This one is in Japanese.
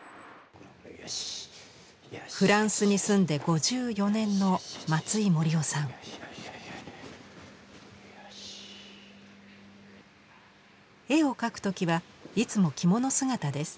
フランスに住んで５４年の絵を描く時はいつも着物姿です。